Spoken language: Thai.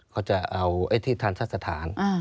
เขาจะเอาที่ทางทรัพย์สถาน